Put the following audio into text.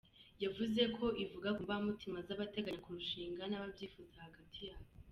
Yavuze ko ivuga ko mbamutima z’abateganya kurushinga n’ababyifuza hagati yabo.